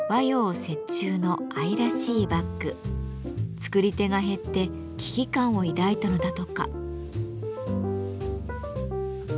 作り手が減って危機感を抱いたのだとか。